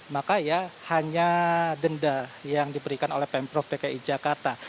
maka ya hanya denda yang diberikan oleh pemprov dki jakarta